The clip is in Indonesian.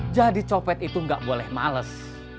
jadi copet itu gak boleh males